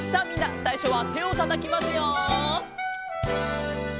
さいしょはてをたたきますよ。